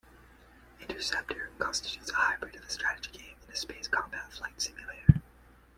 "Interceptor", constitutes a hybrid of a strategy game and a space combat flight simulator.